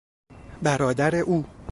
برادر او